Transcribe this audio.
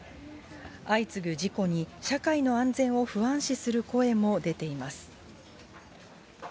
相次ぐ事故に、社会の安全を不安視する声も出ています。